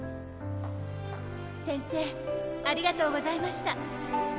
せんせいありがとうございました。